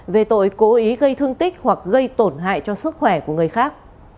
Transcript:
về tội cố ý gây thương tích hoặc gây tổn hại cho sức khỏe của người khác